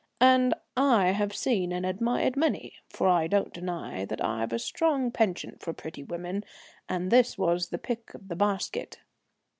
And I have seen and admired many, for I don't deny that I've a strong penchant for pretty women, and this was the pick of the basket.